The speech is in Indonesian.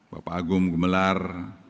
bapak agung gemelar